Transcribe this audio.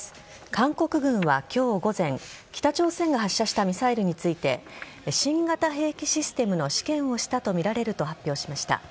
韓国軍は今日午前北朝鮮が発射したミサイルについて新型兵器システムの試験をしたとみられると発表しました。